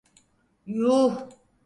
Yuuh!